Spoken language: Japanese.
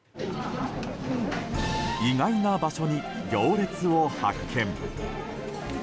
意外な場所に行列を発見。